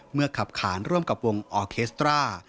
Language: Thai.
เมื่อขับขานร่วมกับวงออเคสตร้า